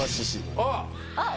あっ！